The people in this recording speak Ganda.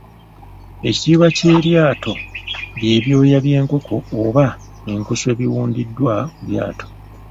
Ekitiibwa ky’eryato bye byoya by’enkoko oba enkusu ebiwundiddwa ku lyato.